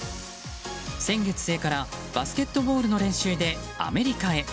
先月末からバスケットボールの練習でアメリカへ。